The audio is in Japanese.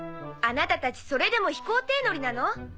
あなたたちそれでも飛行艇乗りなの？